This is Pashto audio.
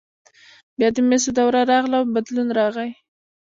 بیا د مسو دوره راغله او بدلون راغی.